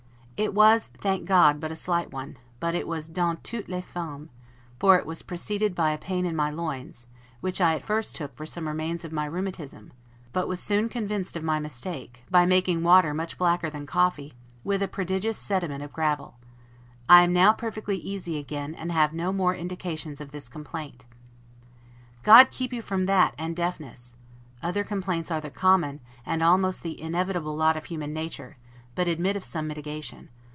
It was, thank God, but a slight one; but it was 'dans toutes les formes'; for it was preceded by a pain in my loins, which I at first took for some remains of my rheumatism; but was soon convinced of my mistake, by making water much blacker than coffee, with a prodigious sediment of gravel. I am now perfectly easy again, and have no more indications of this complaint. God keep you from that and deafness! Other complaints are the common, and almost the inevitable lot of human nature, but admit of some mitigation.